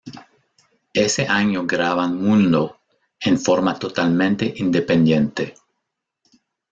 Ese año graban "Mundo" en forma totalmente independiente.